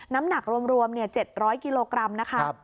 น้ำหนักรวม๗๐๐กิโลกรัมนะคะ